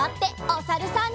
おさるさん。